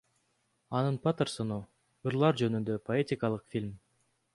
Анын Патерсону — ырлар жөнүндө поэтикалык фильм.